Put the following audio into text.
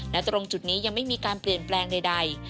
และตรงจุดนี้ยังไม่มีการเปลี่ยนแปลงใด